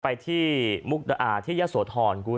ไปที่มุกตะอาที่ยะโสธร